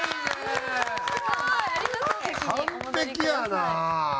完璧やな！